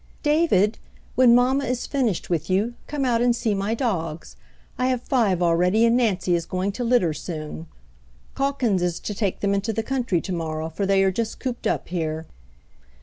*' David, when mamma is finished with you, come out and see my dogs. I have five already, and Nancy is going to litter soon. Calkins is to take them into the country to morrow, for they are just cooped up here."